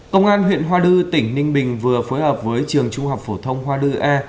công an huyện hoa đư tỉnh ninh bình vừa phối hợp với trường trung học phổ thông hoa đư a